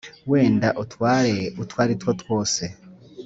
wenda utware utwo ari two twose